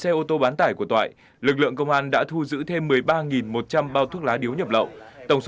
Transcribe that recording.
tổng số tăng vật tạm giữ tại nhà của nguyễn thị thu hằng là một mươi bảy một trăm linh bao thuốc lá điếu nhập lậu hiệu z và hero